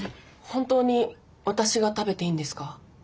本当に私が食べていいんですか？